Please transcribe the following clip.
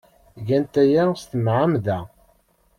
Gant aya s tmeɛmada.